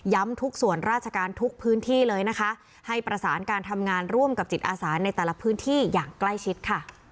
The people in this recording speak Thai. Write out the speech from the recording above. ทุกส่วนราชการทุกพื้นที่เลยนะคะให้ประสานการทำงานร่วมกับจิตอาสาในแต่ละพื้นที่อย่างใกล้ชิดค่ะ